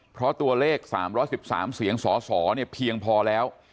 เพราะตัวเลข๓๑๓เสียงสสเนี่ยเพียงพอแล้ว